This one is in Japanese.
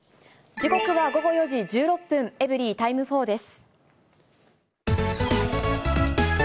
時刻は午後４時１６分、エブリィタイム４です。